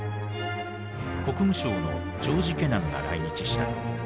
国務省のジョージ・ケナンが来日した。